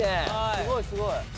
すごいすごい。